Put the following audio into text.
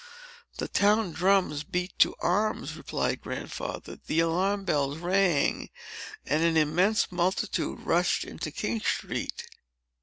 "The town drums beat to arms," replied Grandfather, "the alarm bells rang, and an immense multitude rushed into King Street.